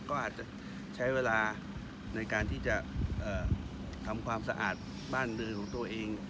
ก็อาจจะใช้เวลาในการที่จะทำความสะอาดบ้านเรือนของตัวเอง